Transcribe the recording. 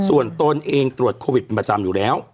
ส่วนตนเองตรวจโควิดเป็นประจำอยู่แล้ว